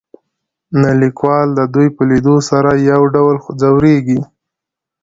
نو ليکوال د دوي په ليدو سره يو ډول ځوريږي.